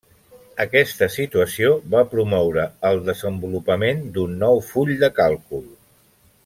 Aquesta situació va promoure el desenvolupament d'un nou full de càlcul.